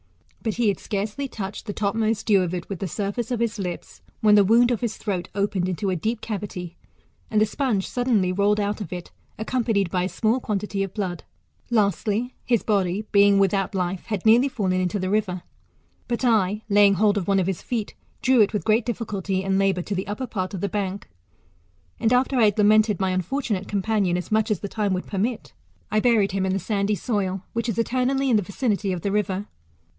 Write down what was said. But he had scarcely touched the topmost dew of it with the surface of his lips, when the wound of his throat opened into a deep cavity, and the sponge suddenly rolled out of it, accompanied by a small quantity of blood. Lastly, his body, being without life, had nearly fallen into the river ; but I laying hold of one of his feet, drew it with great difficulty and labour to the upper part of the bank. AnSi after I had lamented my unfortunate companion, as much as the time would permit, I buried him in the sandy soil, which is eternally in the vichiity of the river.